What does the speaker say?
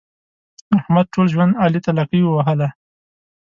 احمد ټول ژوند علي ته لکۍ ووهله.